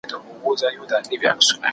دوی وویل چې موږ د سولې تږي یو.